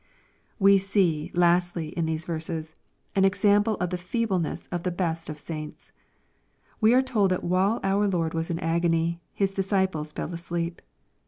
We see, lastly, in these verses, an example oftheftehle y ness of the best of sai7its. We are told that while our Lord was in agony, His disciples fell asleep.